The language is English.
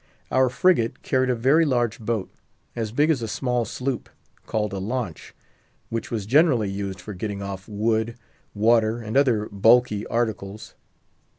Our frigate carried a very large boat—as big as a small sloop—called a launch, which was generally used for getting off wood, water, and other bulky articles.